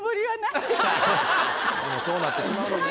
そうなってしまうのね。